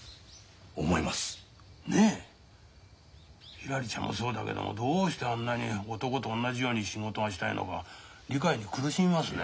ひらりちゃんもそうだけどもどうしてあんなに男と同じように仕事がしたいのか理解に苦しみますな。